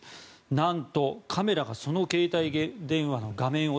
何と、カメラがその携帯電話の画面を